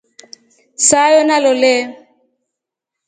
Sayo nalole.